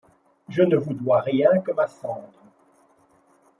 Je ne vous dois rien que ma cendre